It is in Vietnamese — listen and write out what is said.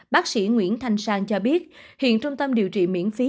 bác sĩ nguyễn thanh sang cho biết hiện trung tâm điều trị miễn phí